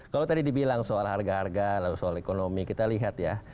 kalau tadi dibilang soal harga harga lalu soal ekonomi kita lihat ya